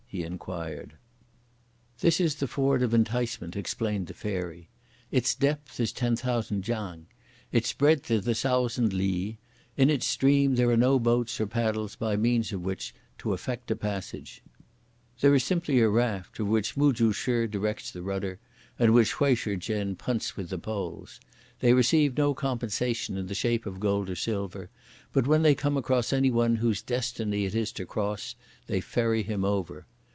he inquired. "This is the Ford of Enticement," explained the Fairy. "Its depth is ten thousand chang; its breadth is a thousand li; in its stream there are no boats or paddles by means of which to effect a passage. There is simply a raft, of which Mu Chu shih directs the rudder, and which Hui Shih chen punts with the poles. They receive no compensation in the shape of gold or silver, but when they come across any one whose destiny it is to cross, they ferry him over.